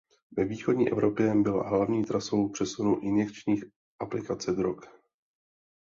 Ve východní Evropě byla hlavní trasou přenosu injekční aplikace drog.